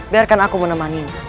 biarkan aku menemani